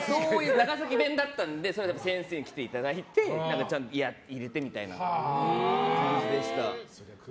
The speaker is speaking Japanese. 長崎弁だったんで先生に来ていただいてちゃんと入れてみたいな感じでした。